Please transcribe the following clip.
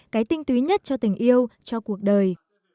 cái tinh túy nhất cho tình yêu cho cuộc đời